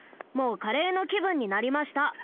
もうカレーのきぶんになりました！